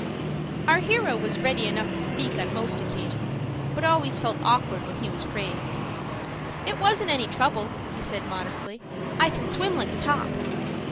Our hero was ready enough to speak on most occasions, but always felt awkward when he was praised. "It wasn't any trouble," he said, modestly. "I can swim like a top."